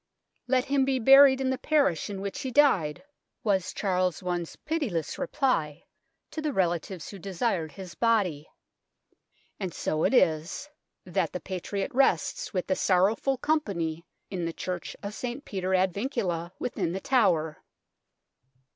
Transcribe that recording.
" Let him be buried in the parish in which he died," was Charles I's pitiless reply to the relatives who desired his body, and so it is that the patriot rests with 92 THE TOWER OF LONDON the sorrowful company in the church of St. Peter ad Vincula within The Tower.